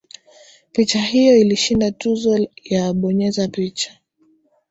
picha hiyo ilishinda tuzo ya bonyeza picha